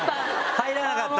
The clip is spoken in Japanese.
入らなかった？